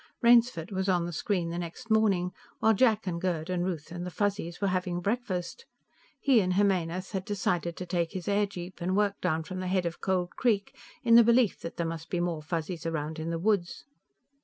Rainsford was on the screen the next morning, while Jack and Gerd and Ruth and the Fuzzies were having breakfast; he and Jimenez had decided to take his airjeep and work down from the head of Cold Creek in the belief that there must be more Fuzzies around in the woods.